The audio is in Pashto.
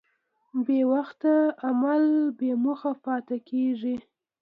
بېوخته عمل بېموخه پاتې کېږي.